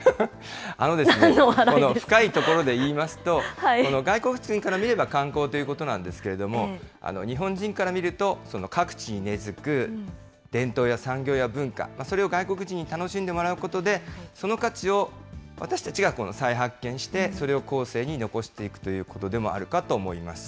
深いところで言いますと、外国人から見ると観光ということなんですけれども、日本人から見ると、各地に根づく伝統や産業や文化、それを外国人に楽しんでもらうことで、その価値を私たちが今度再発見して、それを後世に残していくということでもあるかと思います。